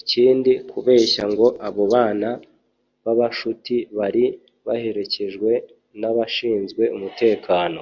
Ikindi kubeshya ngo abo bana b’abaskuti bari baherekejwe n’abashinzwe umutekano